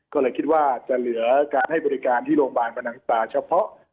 ก็เลยคิดว่าจะเหลือการให้บริการที่โรงพยาบาลประนังตาเฉพาะ